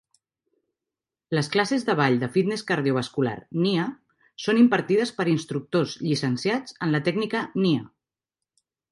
Les classes de ball de fitness cardiovascular Nia són impartides per instructors llicenciats en la tècnica Nia.